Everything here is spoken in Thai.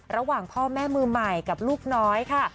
ระหว่างพ่อแม่มือใหม่กับลูกน้อยค่ะ